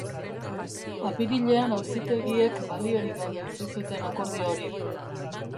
Apirilean auzitegiek baliorik gabe utzi zuten akordio hori.